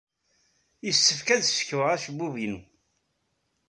Yessefk ad ssekweɣ acebbub-inu.